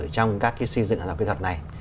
trong các cái xây dựng hàng học kỹ thuật này